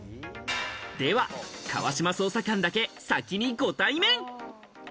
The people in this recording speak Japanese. では川島捜査官だけ先にご対面。